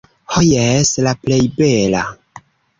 Ho jes, la plej bela.